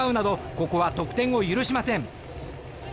ここは得点を許しません。